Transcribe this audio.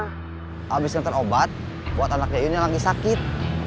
habis ngantar obat buat anaknya yuyun yang lagi sakit